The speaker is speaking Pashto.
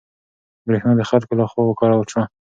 برېښنا د خلکو له خوا وکارول شوه.